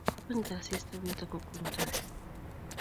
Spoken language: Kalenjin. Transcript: Ngwengtoi asista bet ako kwengtoi